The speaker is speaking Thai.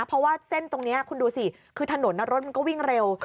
เพราะว่าเส้นตรงนี้คุณดูสิคือถนนรถมันก็วิ่งเร็ว